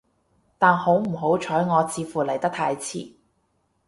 但好唔好彩，我似乎嚟得太遲